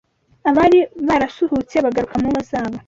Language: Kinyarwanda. abari barasuhutse bagaruka mu ngo zabo